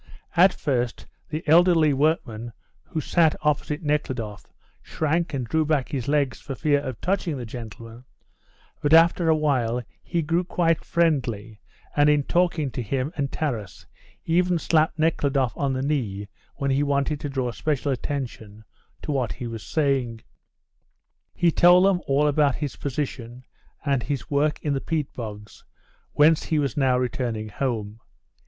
At first the elderly workman who sat opposite Nekhludoff shrank and drew back his legs for fear of touching the gentleman, but after a while he grew quite friendly, and in talking to him and Taras even slapped Nekhludoff on the knee when he wanted to draw special attention to what he was saying. He told them all about his position and his work in the peat bogs, whence he was now returning home.